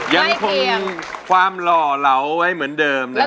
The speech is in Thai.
ยังคงความหล่อเหลาไว้เหมือนเดิมนะครับ